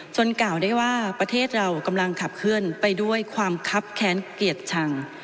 จนกล่าวได้ว่าประเทศเรากำลังขับขึ้นไปด้วยความครับแขนเกียรติชัง